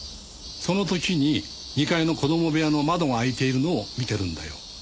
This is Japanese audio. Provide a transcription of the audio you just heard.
その時に２階の子供部屋の窓が開いているのを見てるんだよ。